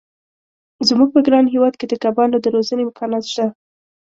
زموږ په ګران هېواد کې د کبانو د روزنې امکانات شته.